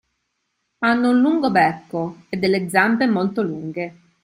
Hanno un lungo becco e delle zampe molto lunghe.